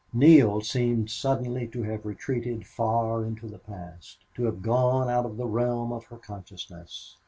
Neale seemed suddenly to have retreated far into the past, to have gone out of the realm of her consciousness.